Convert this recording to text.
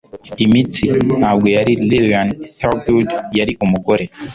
imitsi. ntabwo yari lilian thurgood. yari umugore